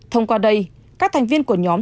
thông qua đây các thành viên của nhóm